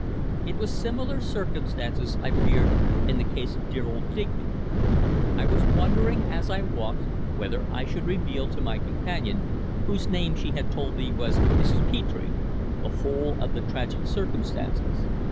It was similar circumstances I feared in the case of dear old Digby. I was wondering, as I walked, whether I should reveal to my companion whose name she had told me was Mrs. Petre the whole of the tragic circumstances.